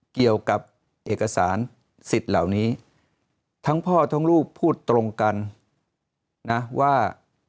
เกี่ยวกับเอกสารสิทธิ์เหล่านี้ทั้งพ่อทั้งลูกพูดตรงกันนะว่า